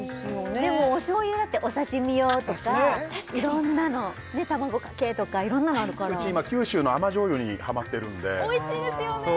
でもおしょうゆだってお刺身用とかいろんなの確かに卵かけとかいろんなのあるからうち今九州の甘じょうゆにハマってるんでおいしいですよね